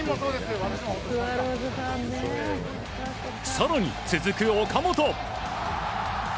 更に、続く岡本。